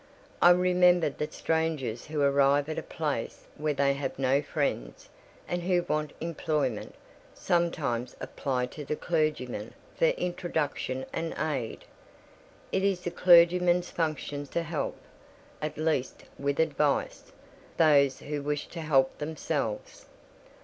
I remembered that strangers who arrive at a place where they have no friends, and who want employment, sometimes apply to the clergyman for introduction and aid. It is the clergyman's function to help—at least with advice—those who wished to help themselves.